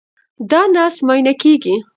دا نسج معاینه کېږي.